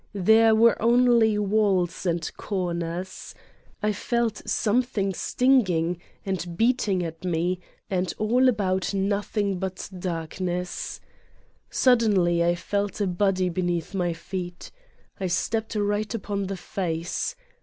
There were only walls and corners. I felt something stinging and beat 13 ISatan's Diary ing at Me, and all about nothing but darkness. Suddenly I felt a body beneath my feet. I stepped right upon the face.